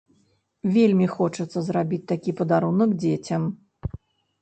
Вельмі хочацца зрабіць такі падарунак дзецям.